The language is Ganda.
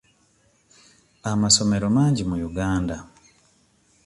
Amasomero mangi mu Uganda.